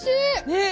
ねえ。